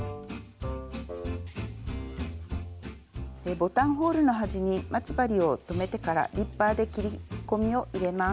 ボタンホールの端に待ち針を留めてからリッパーで切り込みを入れます。